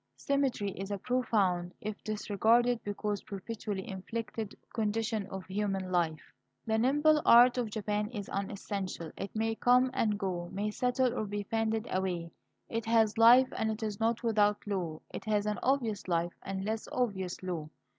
Symmetry is a profound, if disregarded because perpetually inflected, condition of human life. The nimble art of Japan is unessential; it may come and go, may settle or be fanned away. It has life and it is not without law; it has an obvious life, and a less obvious law.